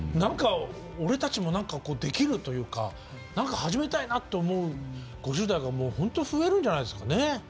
俺たちも何かできるというか何か始めたいなと思う５０代がほんと増えるんじゃないですかね。